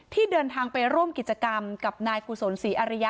ที่เดินทางไปร่วมกิจกรรมกับนายกุศลศรีอริยะ